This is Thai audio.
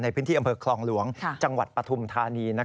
ในพื้นที่อำเภอคลองหลวงจังหวัดปฐุมธานี